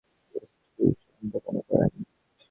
তিনি General Assembly's ইনস্টিটিউশনে অধ্যাপনা করেন।